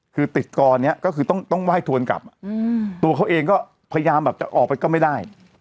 คือติดกรนี้ก็คือต้องไหว้ทวนกลับตัวเขาเองก็พยายามแบบจะออกไปก็ไม่ได้